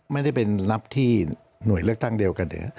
ไม่ได้เป็นรับที่หน่วยเลือกตั้งเดียวกัน